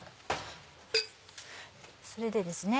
それでですね